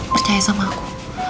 percaya sama aku